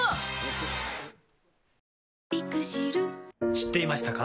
知っていましたか？